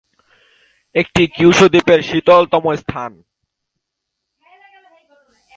এটি কিউশু দ্বীপের শীতলতম স্থান।